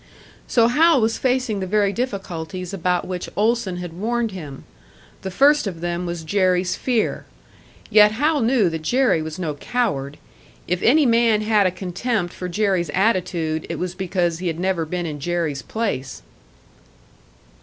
So Hal was facing the very difficulties about which Olson had warned him. The first of them was Jerry's fear. Yet Hal knew that Jerry was no "coward"; if any man had a contempt for Jerry's attitude, it was because he had never been in Jerry's place!